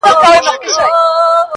د طبيعت دې نندارې ته ډېر حيران هم يم.